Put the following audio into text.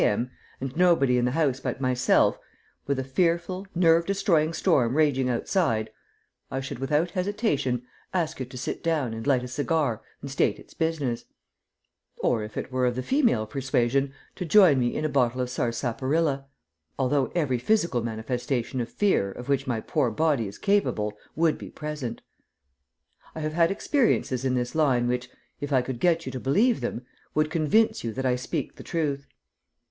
M., and nobody in the house but myself, with a fearful, nerve destroying storm raging outside, I should without hesitation ask it to sit down and light a cigar and state its business or, if it were of the female persuasion, to join me in a bottle of sarsaparilla although every physical manifestation of fear of which my poor body is capable would be present. I have had experiences in this line which, if I could get you to believe them, would convince you that I speak the truth.